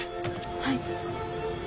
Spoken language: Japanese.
はい。